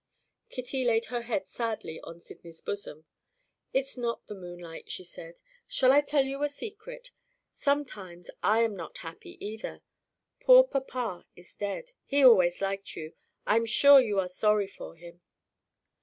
Kitty laid her head sadly on Sydney's bosom. "It's not the moonlight," she said; "shall I tell you a secret? Sometimes I am not happy either. Poor papa is dead. He always liked you I'm sure you are sorry for him."